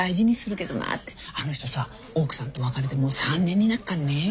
あの人さ奥さんと別れてもう３年になっかんね。